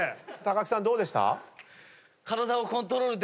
木さんどうでした？